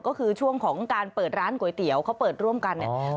ก็คือช่วงของการเปิดร้านก๋วยเตี๋ยวเขาเปิดร่วมกันเนี่ย